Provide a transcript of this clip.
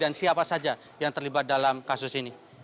dan siapa saja yang terlibat dalam kasus ini